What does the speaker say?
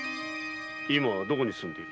今はどこに住んでおる？